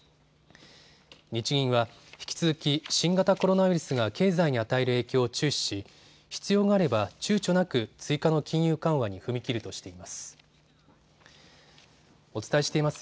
日銀は引き続き新型コロナウイルスが経済に与える影響を注視し必要があれば、ちゅうちょなく追加の金融緩和に踏み切るとしています。